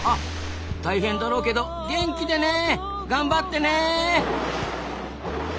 大変だろうけど元気でね！頑張ってね！